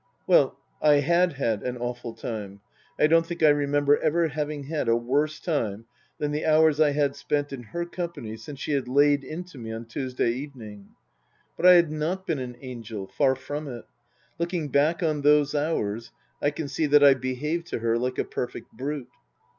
Well, I had had an awful time ; I don't think I remember ever having had a worse time than the hours I had spent in her company since she had laid into me on Tuesday evening. But I had not been an angel ; far from it. Looking back on those hours, I can see that I behaved to her like a perfect brute.